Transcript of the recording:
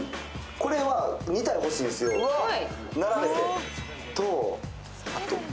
これは２体欲しいんですよ、並べて。